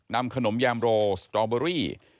นำขนมยามโรสตรอเบอรี่